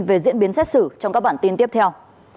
về diễn biến xét xử trong các bản tin tiếp theo